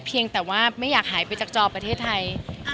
เพียงแต่ว่าไม่อยากหายไปจากจอประเทศไทย